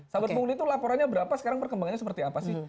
sahabat pungli itu laporannya berapa sekarang perkembangannya seperti apa sih